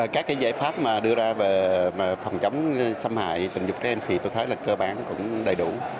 các giải pháp mà đưa ra về phòng chống xâm hại tình dục trên thì tôi thấy là cơ bản cũng đầy đủ